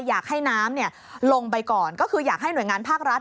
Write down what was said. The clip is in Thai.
อยากให้น้ำลงไปก่อนก็คืออยากให้หน่วยงานภาครัฐ